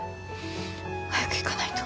早く行かないと。